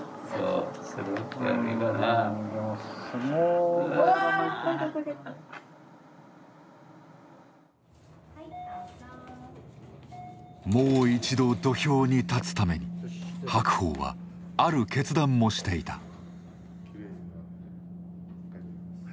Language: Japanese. もう一度土俵に立つために白鵬はある決断もしていた。